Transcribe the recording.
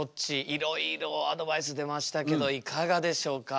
いろいろアドバイス出ましたけどいかがでしょうか？